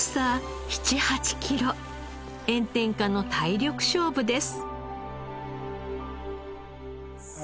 炎天下の体力勝負です。